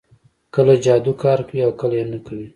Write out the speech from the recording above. کله جادو کار کوي او کله نه کوي